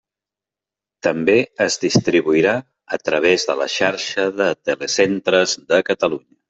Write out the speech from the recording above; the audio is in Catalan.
També es distribuirà a través de la Xarxa de Telecentres de Catalunya.